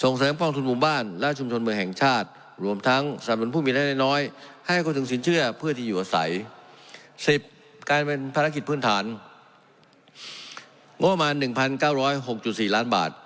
งบประมาณ๑๙๐๖๔ล้านบาท